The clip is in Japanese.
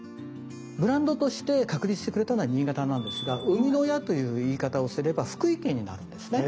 ブランドとして確立してくれたのは新潟なんですが生みの親という言い方をすれば福井県になるんですね。